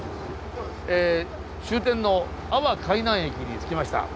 え終点の阿波海南駅に着きました。